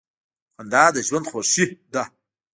• خندا د ژوند خوښي ده.